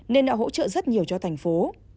nên đã hỗ trợ rất nhiều cho thành phố